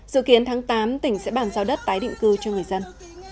dự kiến tháng tám tỉnh sẽ bàn giao đất tái định cư cho người dân